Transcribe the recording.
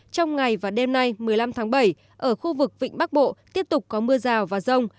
trong ngày và đêm nay một mươi năm tháng bảy ở khu vực vịnh bắc bộ tiếp tục có mưa rào và rông